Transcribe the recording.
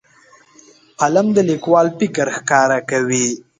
قلم د لیکوال فکر ښکاره کوي.